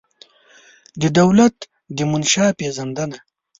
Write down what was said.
د دولت د منشا پېژندنه